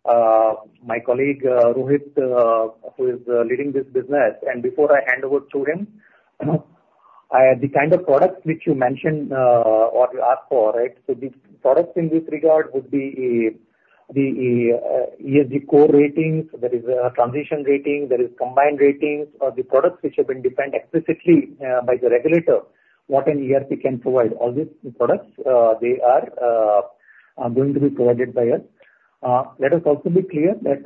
B: my colleague, Rohit, who is leading this business. And before I hand over to him, the kind of products which you mentioned or asked for, right? So the products in this regard would be the ESG core ratings. There is a transition rating. There is combined ratings. The products which have been defined explicitly by the regulator, what an ERP can provide. All these products, they are going to be provided by us. Let us also be clear that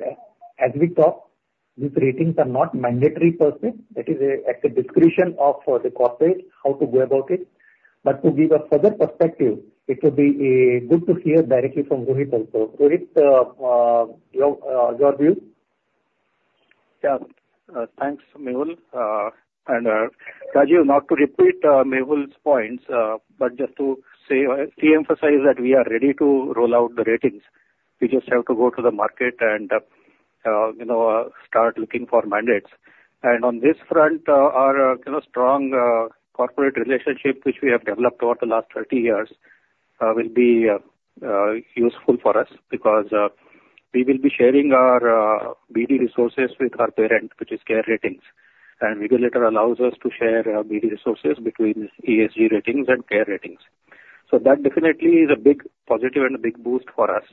B: as we talk, these ratings are not mandatory per se. That is at the discretion of the corporate how to go about it. But to give a further perspective, it would be good to hear directly from Rohit also. Rohit, your view?
N: Yeah. Thanks, Mehul. And Rajiv, not to repeat Mehul's points, but just to emphasize that we are ready to roll out the ratings. We just have to go to the market and start looking for mandates. On this front, our strong corporate relationship which we have developed over the last 30 years will be useful for us because we will be sharing our BD resources with our parent, which is CARE Ratings. Regulator allows us to share BD resources between ESG ratings and CARE ratings. So that definitely is a big positive and a big boost for us.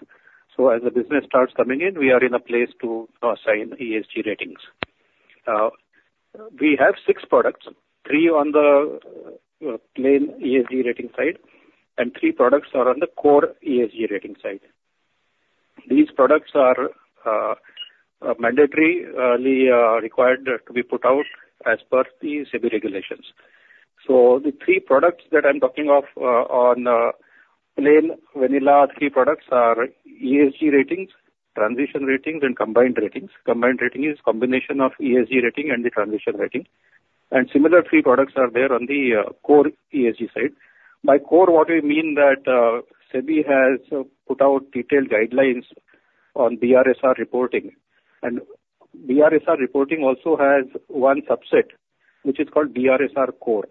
N: As the business starts coming in, we are in a place to assign ESG ratings. We have six products, three on the plain ESG rating side, and three products are on the core ESG rating side. These products are mandatorily required to be put out as per the SEBI regulations. The three products that I'm talking of on plain vanilla, three products are ESG ratings, transition ratings, and combined ratings. Combined rating is a combination of ESG rating and the transition rating. Similar three products are there on the core ESG side. By core, what we mean that SEBI has put out detailed guidelines on BRSR reporting. BRSR reporting also has one subset which is called BRSR Core.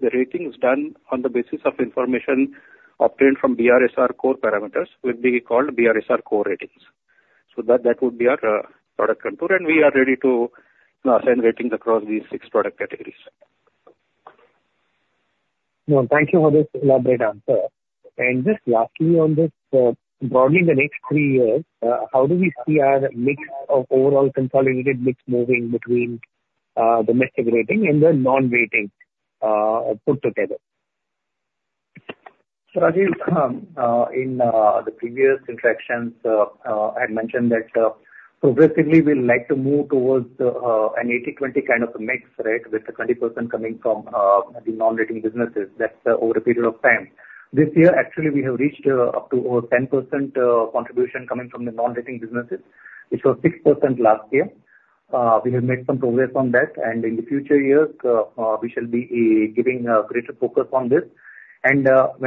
N: The ratings done on the basis of information obtained from BRSR Core parameters will be called BRSR Core Ratings. That would be our product concern. We are ready to assign ratings across these six product categories.
C: Thank you for this elaborate answer. Just lastly on this, broadly, in the next three years, how do we see our mix of overall consolidated mix moving between domestic rating and the non-rating put together?
I: Rajiv, in the previous interactions, I had mentioned that progressively, we'd like to move towards an 80/20 kind of a mix, right, with the 20% coming from the non-rating businesses over a period of time. This year, actually, we have reached up to over 10% contribution coming from the non-rating businesses, which was 6% last year. We have made some progress on that. In the future years, we shall be giving a greater focus on this. When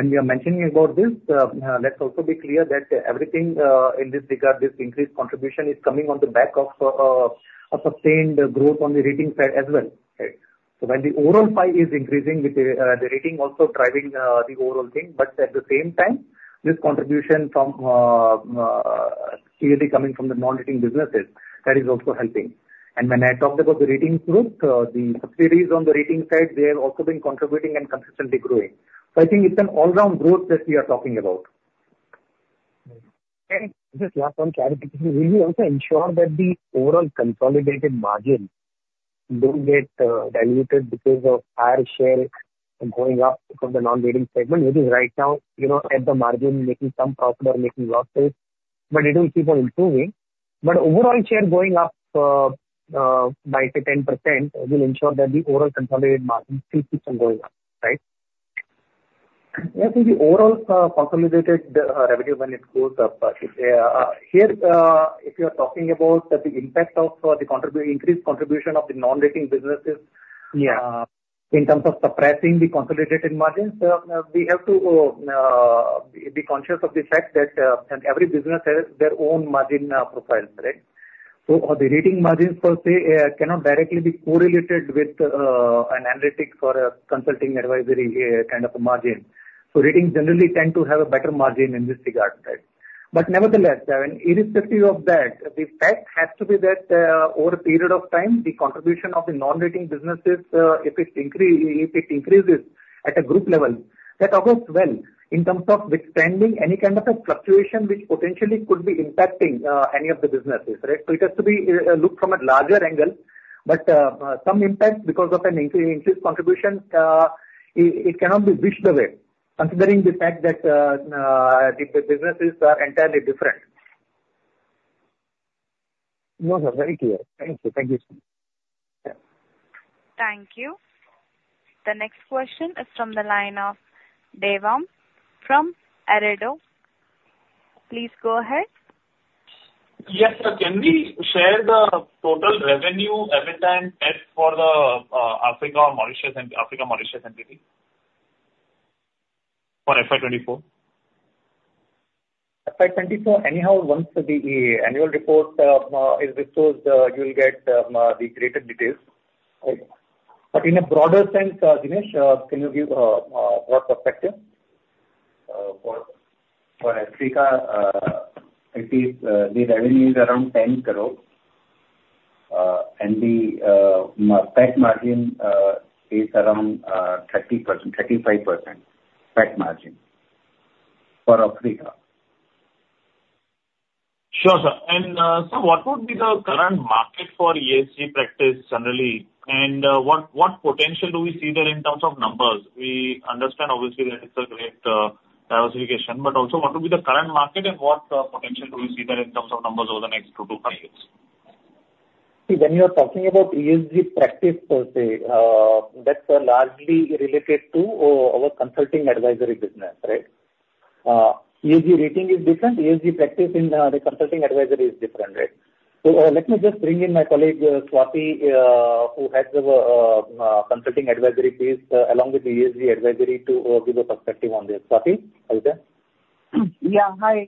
I: we are mentioning about this, let's also be clear that everything in this regard, this increased contribution is coming on the back of a sustained growth on the rating side as well, right? So when the overall pie is increasing, the rating is also driving the overall thing. But at the same time, this contribution clearly coming from the non-rating businesses, that is also helping. When I talked about the rating growth, the subsidiaries on the rating side, they have also been contributing and consistently growing. I think it's an all-around growth that we are talking about.
C: And just last one, clarification. Will we also ensure that the overall consolidated margin doesn't get diluted because of our share going up from the non-rating segment, which is right now at the margin, making some profit or making losses, but it will keep on improving? But overall share going up by, say, 10% will ensure that the overall consolidated margin still keeps on going up, right?
B: Yeah. I think the overall consolidated revenue, when it goes up here, if you are talking about the impact of the increased contribution of the non-rating businesses in terms of suppressing the consolidated margins, we have to be conscious of the fact that every business has their own margin profiles, right? So the rating margins, per se, cannot directly be correlated with an analytics or a consulting advisory kind of a margin. So ratings generally tend to have a better margin in this regard, right? But nevertheless, I mean, irrespective of that, the fact has to be that over a period of time, the contribution of the non-rating businesses, if it increases at a group level, that augments well in terms of withstanding any kind of a fluctuation which potentially could be impacting any of the businesses, right? So it has to be looked from a larger angle. Some impact because of an increased contribution. It cannot be wished away considering the fact that the businesses are entirely different.
C: No, sir. Very clear. Thank you. Thank you.
E: Thank you. The next question is from the line of Devam from Ardeko. Please go ahead.
J: Yes, sir. Can we share the total revenue every time test for the Africa Mauritius and Africa Mauritius entity for FY2024? FY24, anyhow, once the annual report is disclosed, you'll get the greater details, right? But in a broader sense, Jinesh, can you give a broad perspective?
I: For Africa, I think the revenue is around 10 crore. The PAT margin is around 30% to 35% PAT margin for Africa.
J: Sure, sir. And sir, what would be the current market for ESG practice generally? And what potential do we see there in terms of numbers? We understand, obviously, that it's a great diversification. But also, what would be the current market and what potential do we see there in terms of numbers over the next two to five years?
I: See, when you are talking about ESG practice, per se, that's largely related to our consulting advisory business, right? ESG rating is different. ESG practice in the consulting advisory is different, right? So let me just bring in my colleague, Swati, who has the consulting advisory piece along with the ESG advisory to give a perspective on this. Swati, are you there?
O: Yeah. Hi.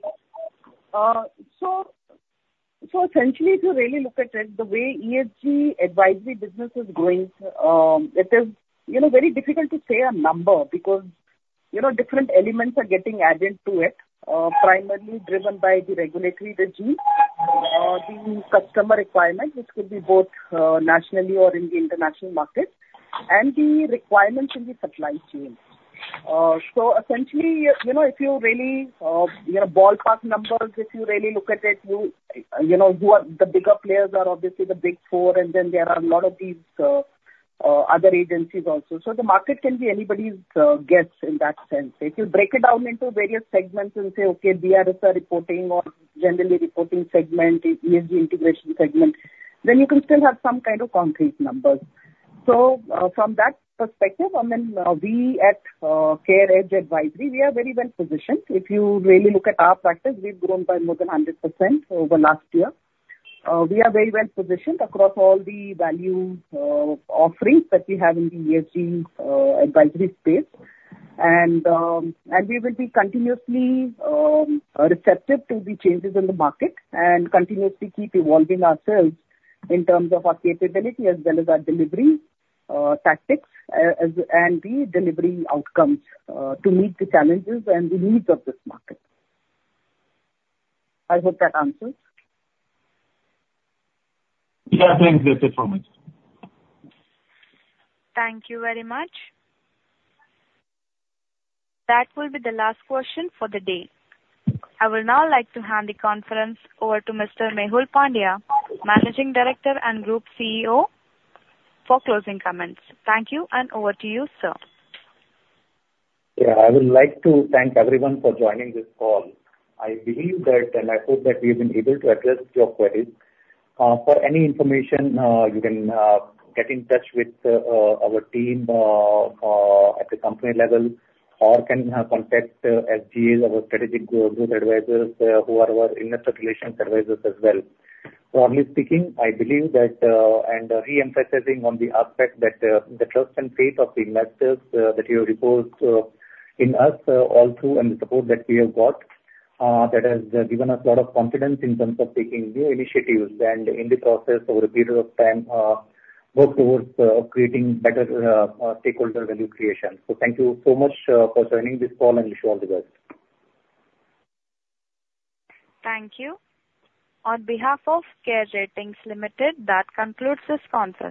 O: So essentially, if you really look at it, the way ESG advisory business is growing, it is very difficult to say a number because different elements are getting added to it, primarily driven by the regulatory, the ESG, the customer requirement, which could be both nationally or in the international market, and the requirements in the supply chain. So essentially, if you really ballpark numbers, if you really look at it, who are the bigger players are obviously the Big Four. And then there are a lot of these other agencies also. So the market can be anybody's guess in that sense. If you break it down into various segments and say, "Okay, BRSR reporting or generally reporting segment, ESG integration segment," then you can still have some kind of concrete numbers. So from that perspective, I mean, we at CareEdge Advisory, we are very well positioned. If you really look at our practice, we've grown by more than 100% over last year. We are very well positioned across all the value offerings that we have in the ESG advisory space. We will be continuously receptive to the changes in the market and continuously keep evolving ourselves in terms of our capability as well as our delivery tactics and the delivery outcomes to meet the challenges and the needs of this market. I hope that answers.
J: Yeah. Thanks. That's it from me.
E: Thank you very much. That will be the last question for the day. I will now like to hand the conference over to Mr. Mehul Pandya, Managing Director and Group CEO, for closing comments. Thank you. And over to you, sir.
B: Yeah. I would like to thank everyone for joining this call. I believe that and I hope that we have been able to address your queries. For any information, you can get in touch with our team at the company level or can contact SGA's, our strategic growth advisors, who are our investor relations advisors as well. Broadly speaking, I believe that and re-emphasizing on the aspect that the trust and faith of the investors that you have reposed in us all through and the support that we have got, that has given us a lot of confidence in terms of taking new initiatives and, in the process, over a period of time, worked towards creating better stakeholder value creation. So thank you so much for joining this call, and wish you all the best.
E: Thank you. On behalf of CARE Ratings Limited, that concludes this conference.